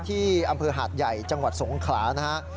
ที่อำเภอหาดใหญ่จังหวัดสงขลานะฮะ